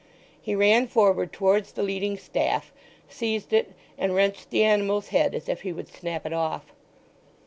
He ran forward towards the leading staff, seized it, and wrenched the animal's head as if he would snap it off.